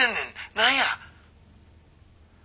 何や！？